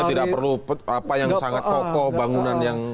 tidak perlu apa yang sangat kokoh bangunan yang